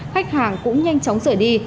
khách hàng cũng nhanh chóng rời đi